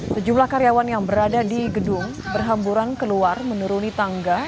sejumlah karyawan yang berada di gedung berhamburan keluar menuruni tangga